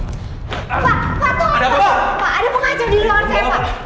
pak pak tolong pak ada pengacau di ruangan saya pak